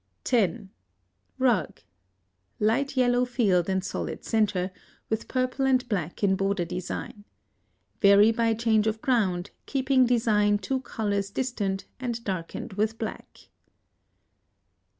10. Rug. Light yellow field and solid centre, with purple and black in border design. Vary by change of ground, keeping design two colors distant and darkened with black.